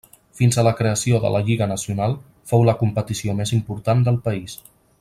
Fins a la creació de la Lliga Nacional fou la competició més important del país.